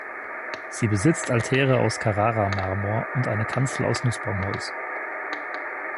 Sie besitzt Altäre aus Carrara-Marmor und eine Kanzel aus Nussbaumholz.